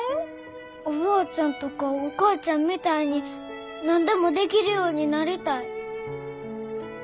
おばあちゃんとかお母ちゃんみたいに何でもできるようになりたい。